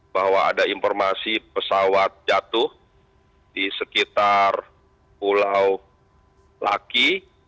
bahwa ada informasi pesawat jatuh di sekitar pulau laki